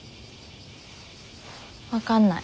分かんない。